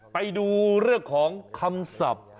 ไปดูเรื่องของคำศัพท์